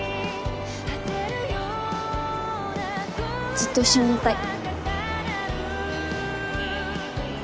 ずっと一緒にいたい。